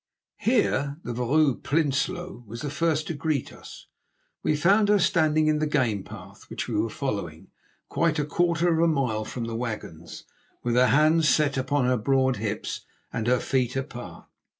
Here the Vrouw Prinsloo was the first to greet us. We found her standing in the game path which we were following, quite a quarter of a mile from the wagons, with her hands set upon her broad hips and her feet apart.